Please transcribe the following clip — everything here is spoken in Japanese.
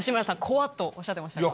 「怖っ」とおっしゃってましたが。